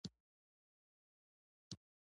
وزې له غرونو ښه استفاده کوي